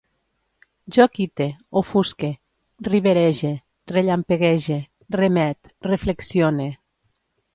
Jo quite, ofusque, riberege, rellampeguege, remet, reflexione